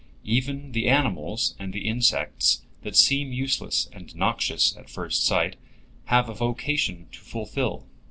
Even the animals and the insects that seem useless and noxious at first sight have a vocation to fulfil.